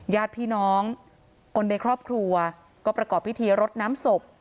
ญาติพี่น้องคนในครอบครัวก็ประกอบพิธีรดน้ำศพ